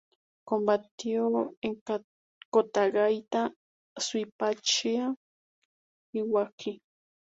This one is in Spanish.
Combatió en Cotagaita, Suipacha y Huaqui.